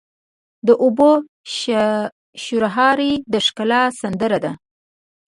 د اوبو شرهاری د ښکلا سندره ده.